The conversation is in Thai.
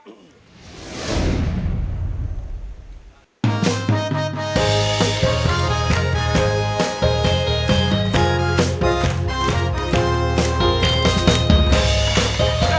โอเค